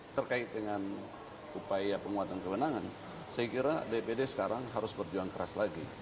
terkait dengan upaya penguatan kewenangan saya kira dpd sekarang harus berjuang keras lagi